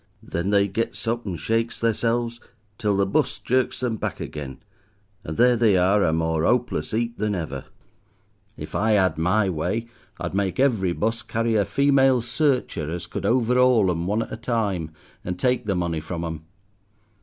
Then they gets up and shakes theirselves till the bus jerks them back again, and there they are, a more 'opeless 'eap than ever. If I 'ad my way I'd make every bus carry a female searcher as could over'aul 'em one at a time, and take the money from 'em.